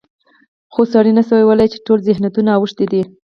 خو سړی نشي ویلی چې ټول ذهنیتونه اوښتي دي.